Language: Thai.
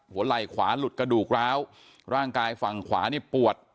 ไหล่ขวาหลุดกระดูกร้าวร่างกายฝั่งขวานี่ปวด